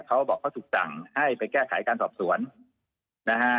เขาบอกเขาถูกสั่งให้ไปแก้ไขการสอบสวนนะฮะ